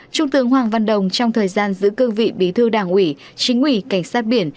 trung tướng hoàng văn đồng trong thời gian giữ cương vị bí thư đảng ủy chính ủy cảnh sát biển